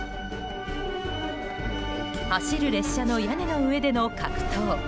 走る列車の屋根の上での格闘。